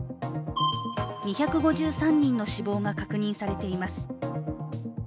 ２５３人の死亡が確認されています。